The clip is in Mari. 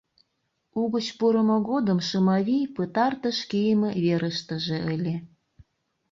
Угыч пурымо годым Шымавий пытартыш кийыме верыштыже ыле.